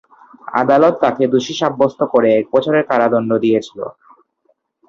আদালত তাকে দোষী সাব্যস্ত করে এক বছরের কারাদন্ড দিয়েছিল।